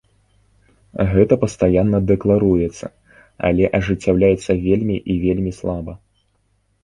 Гэта пастаянна дэкларуецца, але ажыццяўляецца вельмі і вельмі слаба.